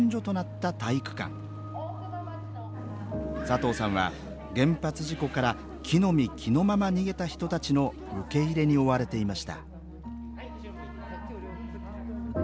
佐藤さんは原発事故から着のみ着のまま逃げた人たちの受け入れに追われていました